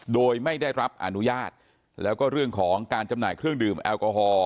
โดยไม่ได้รับอนุญาตแล้วก็เรื่องของการจำหน่ายเครื่องดื่มแอลกอฮอล